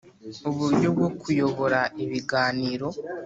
Uburyo bwo kuyobora ibiganiro